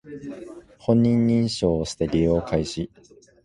本人認証をして利用開始